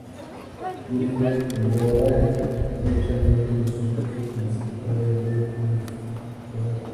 Winifred colaborará estrechamente con su esposo, como secretaria y organizadora.